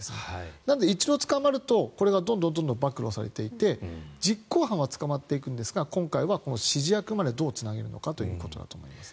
なので、一度捕まるとこれがどんどん暴露されて行って実行犯は捕まっていくんですが今回は指示役までどうつなげるのかということだと思いますね。